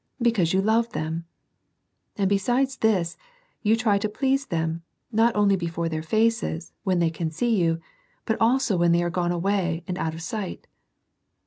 Because you love them. And besides this, you try to please them, not only before their faces, when they can see you, but also when they are gone away, and out of sight.